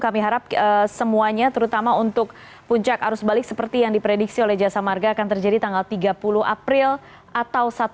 kami harap semuanya terutama untuk puncak arus balik seperti yang diprediksi oleh jasa marga akan terjadi tanggal tiga puluh april atau satu